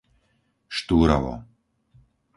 Štúrovo